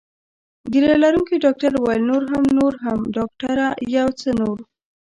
ږیره لرونکي ډاکټر وویل: نور هم، نور هم، ډاکټره یو څه نور.